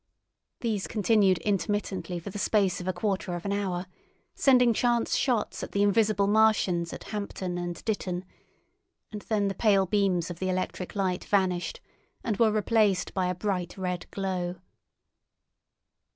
These continued intermittently for the space of a quarter of an hour, sending chance shots at the invisible Martians at Hampton and Ditton, and then the pale beams of the electric light vanished, and were replaced by a bright red glow.